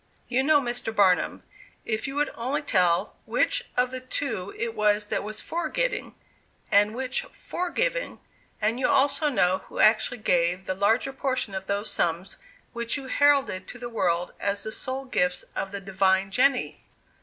"You know, Mr. Barnum, if you would only tell, which of the two it was that was 'for getting,' and which 'for giving'; and you also know who actually gave the larger portion of those sums which you heralded to the world as the sole gifts of the 'divine Jenny.